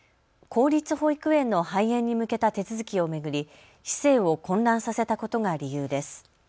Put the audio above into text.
公立保育園の廃園に向けた手続きを巡り市政を混乱させたことが理由です。